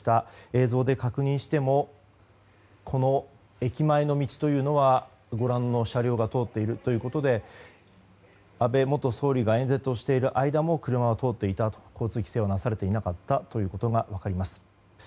映像で確認してもこの駅前の道はご覧のように車両が通っているということで安倍元総理が演説している間も車は通っていた交通規制はなされていなかったことが分かります。